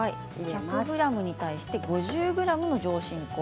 １００ｇに対して５０ｇの上新粉。